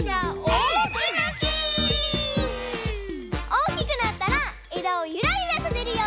おおきくなったらえだをゆらゆらさせるよ。